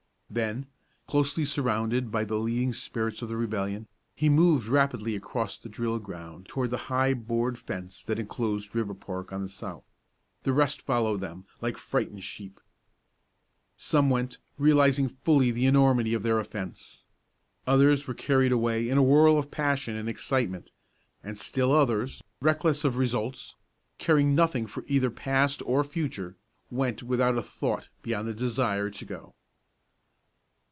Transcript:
Then, closely surrounded by the leading spirits of rebellion, he moved rapidly across the drill ground toward the high board fence that enclosed Riverpark on the south. The rest followed them like frightened sheep. Some went, realizing fully the enormity of their offence. Others were carried away in the whirl of passion and excitement; and still others, reckless of results, caring nothing for either past or future, went without a thought beyond the desire to go.